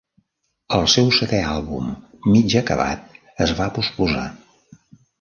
El seu setè àlbum mig acabat es va posposar.